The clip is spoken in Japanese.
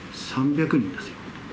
３００人ですよ。